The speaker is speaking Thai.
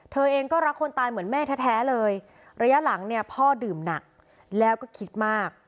เธอเองก็รักคนตายเหมือนแม่แท้เลยระยะหลังเนี่ยพ่อดื่มหนักแล้วก็คิดมาก